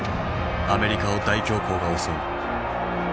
アメリカを大恐慌が襲う。